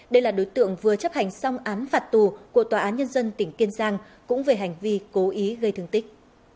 đây là đối tượng vừa chấp hành xong án phạt tù của tòa án nhân dân tỉnh kiên giang cũng về hành vi cố ý gây thương tích